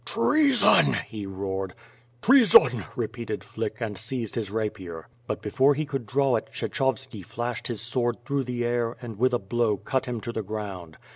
"Treason!" he roared. "Treason!" repeated Flick, and seized his rapier. But, before he could draw it, Kshechovski flashed his sword through the air and with a blow cut him to the ground.